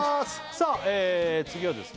さあ次はですね